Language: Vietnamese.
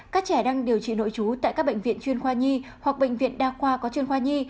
các trẻ đang điều trị nội trú tại các bệnh viện chuyên khoa nhi hoặc bệnh viện đa khoa có chuyên khoa nhi